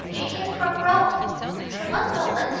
She came from Rome." "One moment.